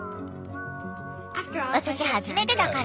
私初めてだから。